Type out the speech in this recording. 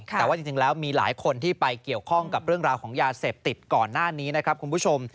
แต่ว่าจริงแล้วมีหลายคนที่ไปเกี่ยวข้องกับเรื่องราวของยาเสพติดก่อนหน้านี้นะครับคุณผู้ชม